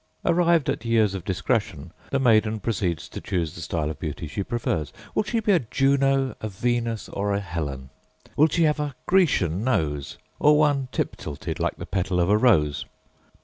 Arrived at years of discretion, the maiden proceeds to choose the style of beauty she prefers. Will she be a Juno, a Venus, or a Helen? Will she have a Grecian nose, or one tip tilted like the petal of a rose?